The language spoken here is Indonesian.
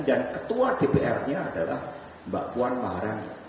dan ketua dpr nya adalah mbak puan maharani